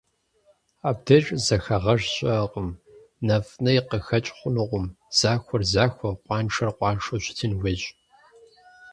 Абдеж зэхэгъэж щыӀэкъым, нэфӀ-ней къыхэкӀ хъунукъым: захуэр захуэу, къуаншэр къуаншэу щытын хуейщ.